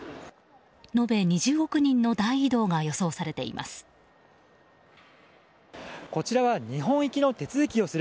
延べ２０億人の大移動が予想されています。